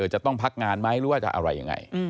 จะต้องพักงานไหมหรือว่าจะอะไรยังไง